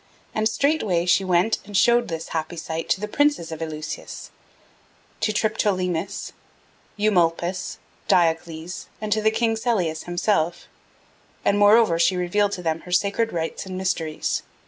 And straightway she went and showed this happy sight to the princes of Eleusis, to Triptolemus, Eumolpus, Diocles, and to the king Celeus himself, and moreover she revealed to them her sacred rites and mysteries.